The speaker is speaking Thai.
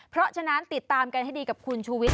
เพราะฉะนั้นติดตามกันให้ดีกับคุณชูวิทย